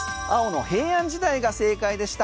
平安時代が正解でした。